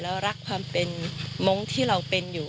แล้วรักความเป็นมงค์ที่เราเป็นอยู่